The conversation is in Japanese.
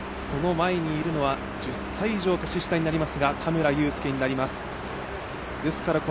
その前にいるのは１０歳以上年下になりますが田村友佑です。